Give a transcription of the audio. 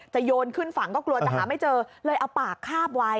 โยนขึ้นฝั่งก็กลัวจะหาไม่เจอเลยเอาปากคาบไว้